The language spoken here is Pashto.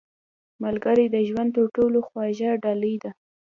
• ملګری د ژوند تر ټولو خوږه ډالۍ ده.